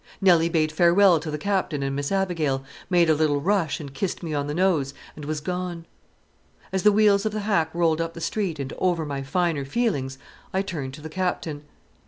Nelly bade farewell to the Captain and Miss Abigail, made a little rush and kissed me on the nose, and was gone. As the wheels of the hack rolled up the street and over my finer feelings, I turned to the Captain.